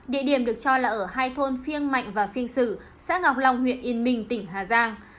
địa điểm được cho là ở hai thôn phiêng mạnh và phiên sử xã ngọc long huyện yên minh tỉnh hà giang